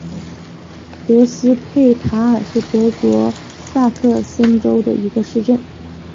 德斯佩塔尔是德国下萨克森州的一个市镇。